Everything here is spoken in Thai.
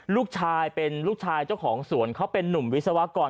ลูกชายเป็นลูกชายเจ้าของสวนเขาเป็นนุ่มวิศวกร